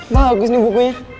bagus nih bukunya